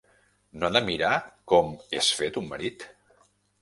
No ha de mirar com és fet un marit?